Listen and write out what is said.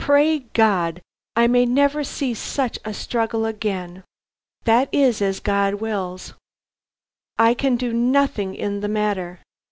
Pray God! I may never see such a struggle again. "That is as God wills. I can do nothing in the matter."